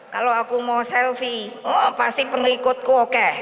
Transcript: kalau aku mau selfie oh pasti pengikutku oke